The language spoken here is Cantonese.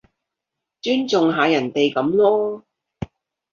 尊重下人哋噉囉